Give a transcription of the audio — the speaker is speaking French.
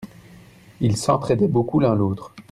Ils s'entraidaient beaucoup l'un l'autre.